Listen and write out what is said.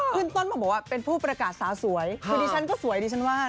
ขึ้นต้นมาบอกว่าเป็นผู้ประกาศสาวสวยคือดิฉันก็สวยดิฉันว่า